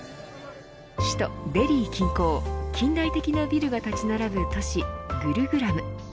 首都デリー近郊、近代的なビルが立ち並ぶ都市、グルグラム。